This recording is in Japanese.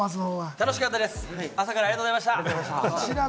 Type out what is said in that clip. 楽しかったです。